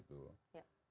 nah tugas sebagai lembaga